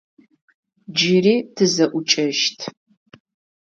Джыри тызэӏукӏэщт.